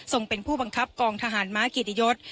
เป็นผู้บังคับกองทหารม้าเกียรติยศ